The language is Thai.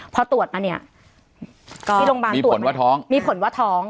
ค่ะพอตรวจมาเนี่ยที่โรงพยาบาลตรวจไหมก็มีผลว่าท้อง